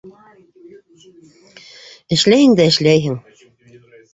- Эшләйһең дә эшләйһең!